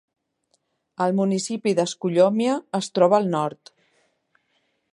El municipi de Scullomie es troba al nord.